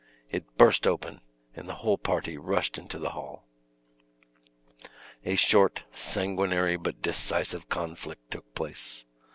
It burst open, and the whole party rushed into the hall. A short, sanguinary, but decisive conflict took place.